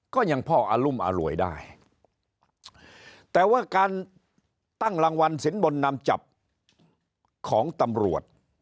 ก็ยังพ่ออรุมอร่วยได้แต่ว่าการตั้งรางวัลสินบนนำจับของตำรวจ